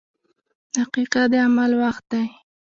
• دقیقه د عمل وخت دی.